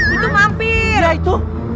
itu mampir ya itu